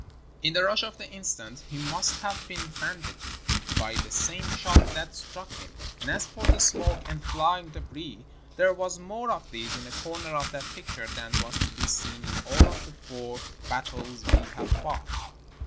In the rush of the instant he must have been bandaged by the same shot that struck him, and as for the smoke and flying debris, there was more of this in a corner of that picture than was to be seen in all the four battles we have fought